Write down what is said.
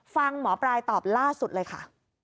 ฟังหมอปลายตอบล่าสุดเลยค่ะ